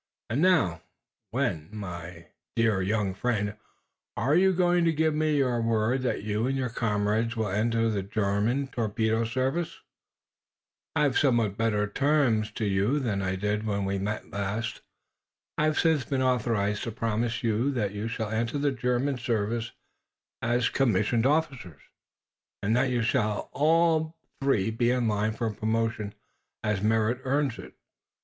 "And now, when, my dear young friend, are you going to give me your word that you and your comrades will enter the German torpedo service? I have somewhat better terms to offer you than when we last met. I have since been authorized to promise you that you shall enter the German service as commissioned officers, and that you shall all three be in line for promotion as merit earns it.